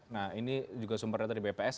nah ini juga sumbernya dari bps